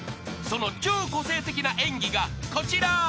［その超個性的な演技がこちら］